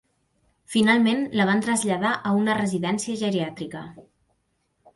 Finalment, la van traslladar a una residència geriàtrica.